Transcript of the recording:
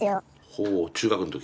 ほう中学の時？